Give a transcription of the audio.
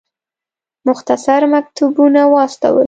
مختصر مکتوبونه واستول.